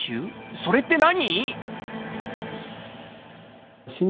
それって何？